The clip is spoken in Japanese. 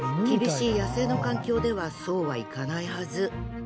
厳しい野生の環境ではそうはいかないはず。